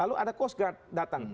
lalu ada coast guard datang